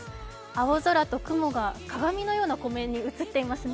青空と雲が鏡のような湖面に映ってますね。